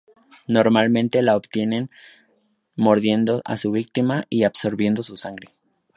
Normalmente la obtienen mordiendo a su víctima y absorbiendo su sangre.